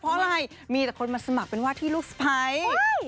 เพราะอะไรมีแต่คนมาสมัครเป็นว่าที่ลูกสะพ้าย